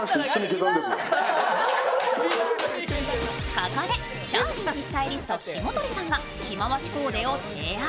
ここで超人気スタイリスト霜鳥さんが着回しコーデを提案。